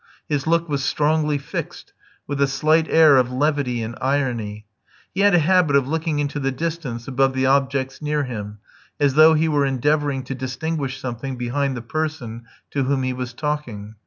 His look was strongly fixed, with a slight air of levity and irony. He had a habit of looking into the distance above the objects near him, as though he were endeavouring to distinguish something behind the person to whom he was talking.